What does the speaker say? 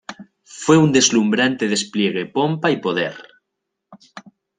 Fue un deslumbrante despliegue pompa y poder.